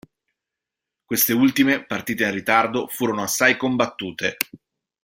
Queste ultime, partite in ritardo, furono assai combattute.